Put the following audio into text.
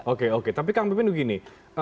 oke oke tapi kang pipin begini